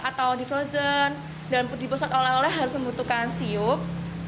atau di frozen dan di pusat olahraga harus membutuhkan siuk